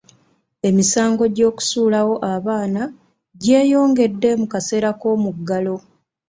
Emisango gy'okusuulawo abaana gyeyongedde mu kaseera k'omuggalo.